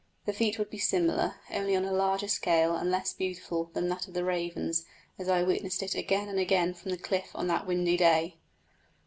The feat would be similar, only on a larger scale and less beautiful than that of the ravens as I witnessed it again and again from the cliff on that windy day.